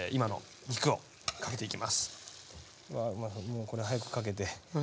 もうこれ早くかけて。